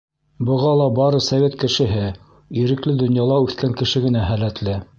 Быға ла бары совет кешеһе, ирекле донъяла үҫкән кеше генә һәләтле.